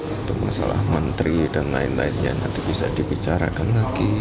untuk masalah menteri dan lain lainnya nanti bisa dibicarakan lagi